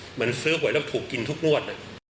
เหมือนซื้อหวยแล้วถูกกินทุกงวด